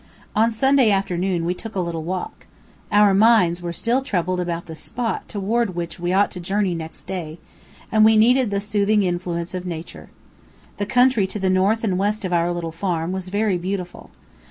On Sunday afternoon we took a little walk. Our minds were still troubled about the spot toward which we ought to journey next day, and we needed the soothing influences of Nature. The country to the north and west of our little farm was very beautiful.